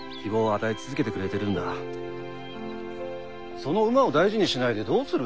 その馬を大事にしないでどうする。